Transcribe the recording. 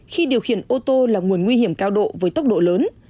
khi điều khiển ô tô là nguồn nguy hiểm cao độ với tốc độ lớn